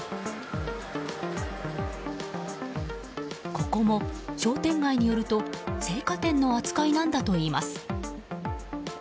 ここも、商店街によると青果店の扱いなんだといいます。